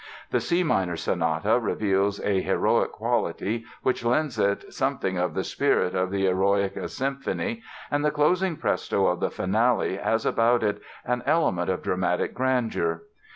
The C minor Sonata reveals a heroic quality which lends it something of the spirit of the "Eroica" Symphony, and the closing Presto of the finale has about it an element of dramatic grandeur.